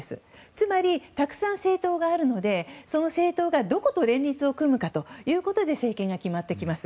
つまり、たくさん政党があるのでその政党がどこと連立を組むかということで政権が決まってきます。